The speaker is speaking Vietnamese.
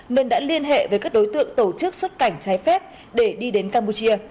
nên đã liên hệ với các đối tượng tổ chức xuất cảnh trái phép để đi đến campuchia